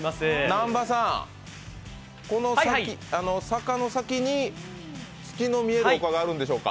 南波さん、この坂の先に月の見える丘があるんでしょうか？